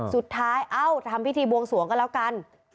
สุดท้ายเอ้าทำพิธีบวงสวงก็แล้วกัน